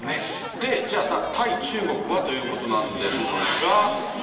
で、じゃあ、対中国はということなんですが。